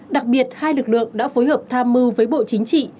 đặc biệt hai lực lượng đã phối hợp tham mưu với bộ chính trị